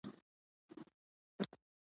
د فلزکارۍ هنر په کندز کې وده کړې ده.